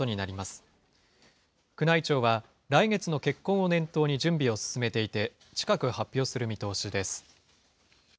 宮内庁は、来月の結婚を念頭に準備を進めていて、近く発表する見通しです。